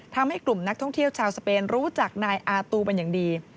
ทำให้กลุ่มนักท่องเที่ยวชาวสเปนรู้จักนายอาตูเป็นอย่างดี